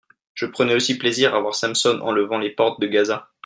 je prenais aussi plaisir à voir Samson enlevant les portes de Gaza.